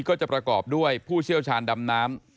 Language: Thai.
ก็จะประกอบด้วยผู้เชี่ยวชาญดำน้ำ